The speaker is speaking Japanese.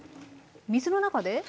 水の中で？